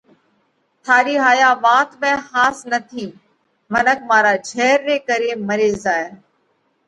ٿارِي هايا وات ۾ ۿاس نٿِي، منک مارا جھير ري ڪري مري زائه۔